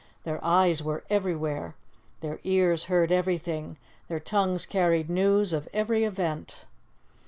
Their eyes were everywhere, their ears heard everything, their tongues carried news of every event.